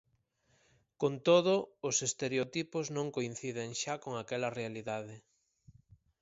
Con todo, os estereotipos non coinciden xa con aquela realidade.